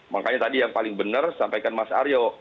makanya tadi yang paling benar sampaikan mas aryo